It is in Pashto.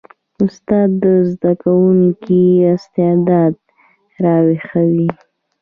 استاد د زده کوونکي استعداد راویښوي.